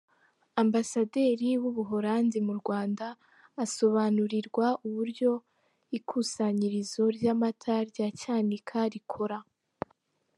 Ambasaderi w’Ubuholandi mu Rwanda asobanurirwa uburyo ikusanyirizo ry’amata rya Cyanika rikora.